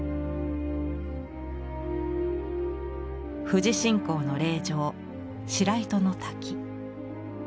富士信仰の霊場白糸の滝。